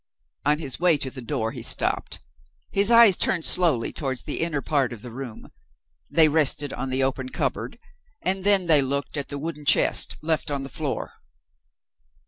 On his way to the door, he stopped. His eyes turned slowly towards the inner part of the room. They rested on the open cupboard and then they looked at the wooden chest, left on the floor.